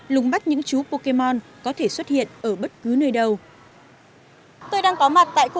lùng bắt những chú pokemon có thể xuất hiện ở bất cứ nơi đâu